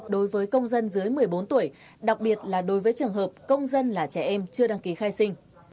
đối với công dân dưới một mươi bốn tuổi đặc biệt là đối với trường hợp công dân là trẻ em chưa đăng ký khai sinh